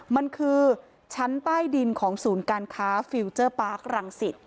มันคือชั้นใต้ดินของศูนย์การค้าฟิลเจอร์ปาร์ครังสิต